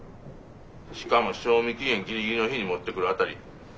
しかも賞味期限ギリギリの日に持ってくる辺りさすがやわ。